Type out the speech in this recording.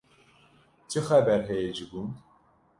Çi xeber heye ji gund?